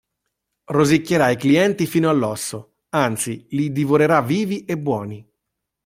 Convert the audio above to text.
Rosicchierà i clienti fino all'osso: anzi li divorerà vivi e buoni.